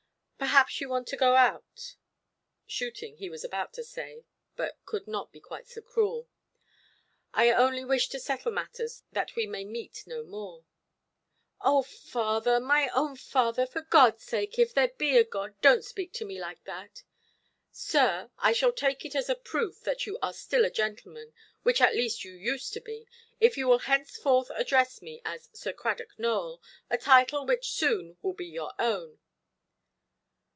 Perhaps you want to go out" ("shooting" he was about to say, but could not be quite so cruel). "I only wish so to settle matters that we may meet no more". "Oh, father—my own father!—for Godʼs sake!—if there be a God—donʼt speak to me like that"! "Sir, I shall take it as a proof that you are still a gentleman, which at least you used to be, if you will henceforth address me as 'Sir Cradock Nowell', a title which soon will be your own".